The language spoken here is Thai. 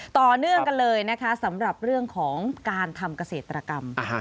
ต่อเนื่องกันเลยนะคะสำหรับเรื่องของการทำเกษตรกรรม